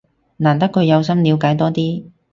難得佢有心想了解多啲